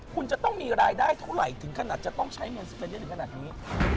คุณจะต้องมีรายได้เท่าไหร่ถึงขนาดจะต้องใช้เงินสเปนได้ถึงขนาดนี้